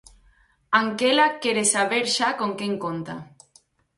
Anquela quere saber xa con quen conta.